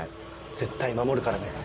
絶対守るからね。